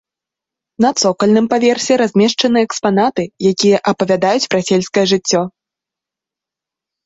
На цокальным паверсе размешчаны экспанаты, якія апавядаюць пра сельскае жыццё.